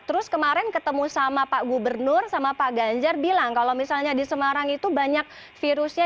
terus kemarin ketemu sama pak gubernur sama pak ganjar bilang kalau misalnya di semarang itu banyak virusnya